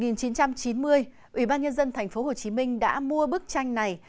năm một nghìn chín trăm chín mươi ủy ban nhân dân tp hcm đã mua bức tranh này